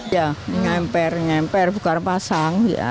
ya ngempere ngempere buka pasang